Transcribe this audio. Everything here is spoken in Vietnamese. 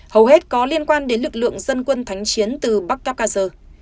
hầu hết có liên quan đến lực lượng dân quân thánh chiến từ bắc cáp ca sơ